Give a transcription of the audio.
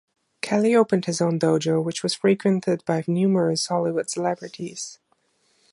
Kelly opened his own dojo, which was frequented by numerous Hollywood celebrities.